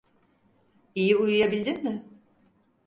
İyi uyuyabildin mi?